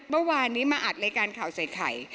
เมื่อวานนี้มาอัดรายการข่าวใส่ไข่